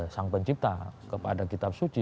sang pencipta kepada kitab suci